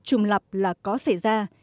trùm lập là có xảy ra